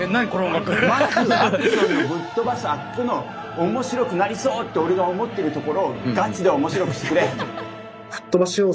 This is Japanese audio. まずアクションのぶっ飛ばすあっこのおもしろくなりそうって俺が思ってるところをガチでおもしろくしてくれ！